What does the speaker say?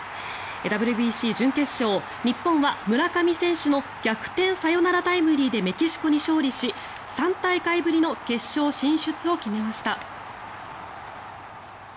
ＷＢＣ準決勝日本は村上選手の逆転サヨナラタイムリーでメキシコに勝利し３大会ぶりの決勝進出を決めました。